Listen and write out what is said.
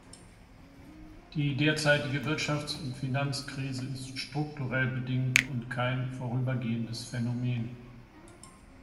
Die derzeitige Wirtschafts- und Finanzkrise ist strukturell bedingt und kein vorübergehendes Phänomen.